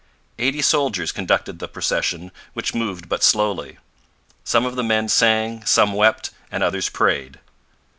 Eighty soldiers conducted the procession, which moved but slowly. Some of the men sang, some wept, and others prayed.